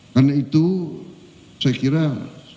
karena itu saya kira kita harus berpikir